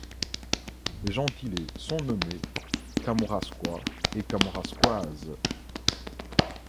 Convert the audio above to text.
Les gentilés sont nommés Kamouraskois et Kamouraskoises.